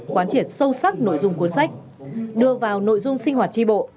quán triệt sâu sắc nội dung cuốn sách đưa vào nội dung sinh hoạt tri bộ